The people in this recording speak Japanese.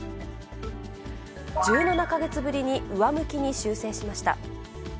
１７か月ぶりに上向きに修正しました。